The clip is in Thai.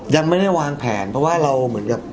ยังไม่ได้วางแผนเพราะว่า